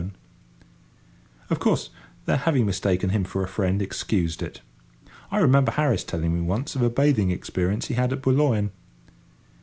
[Picture: Bathing] Of course their having mistaken him for a friend excused it. I remember Harris telling me once of a bathing experience he had at Boulogne.